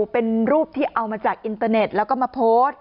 เป็นรูปที่เอามาจากอินเตอร์เน็ตแล้วก็มาโพสต์